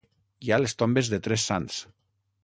Hi ha les tombes de tres sants.